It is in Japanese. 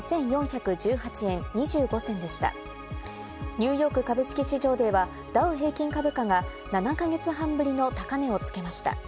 ニューヨーク株式市場ではダウ平均株価が７か月半ぶりの高値をつけました。